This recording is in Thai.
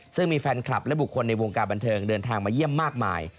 ซึ่งมีแฟนคลับและบุคคลในวงการบันเทิงเดินทางมาเยี่ยมมากมาย